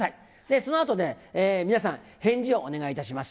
そのあとね、皆さん、返事をお願いいたします。